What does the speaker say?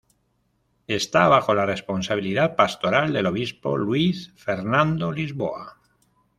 Esta bajo la responsabilidad pastoral del obispo Luiz Fernando Lisboa.